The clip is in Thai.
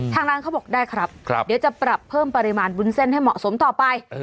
ทางร้านเขาบอกได้ครับเดี๋ยวจะปรับเพิ่มปริมาณวุ้นเส้นให้เหมาะสมต่อไป